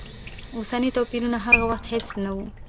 اوسني توپیرونه هغه وخت هېڅ نه و.